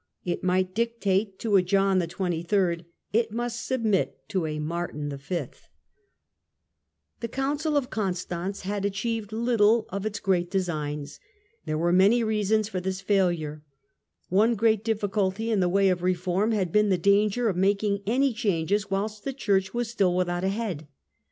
It might dictate to a John XXIII. , it must submit to a Martin V." EMPIRE AND PAPACY, 1414 1453 163 The Council of Constance had achieved httle of its great designs. There were many reasons for this f aihire One great difficulty in the way of reform had been the danger of making any changes whilst the Church was still without a head.